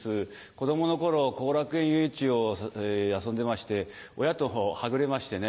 子供の頃後楽園ゆうえんちで遊んでまして親とはぐれましてね。